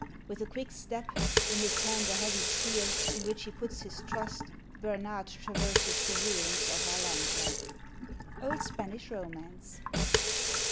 With a quick step, in his hand a heavy spear, in which he puts his trust, Bernard traverses the ruins of Arlanza. — Old Spanish Romance.